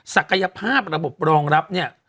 ศักยภาพระบบรองรับเนี่ย